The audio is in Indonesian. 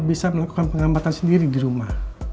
bisa melakukan pengamatan sendiri di rumah